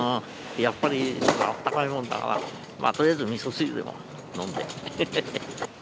やっぱりあったかいものだな、とりあえずみそ汁でも飲んで。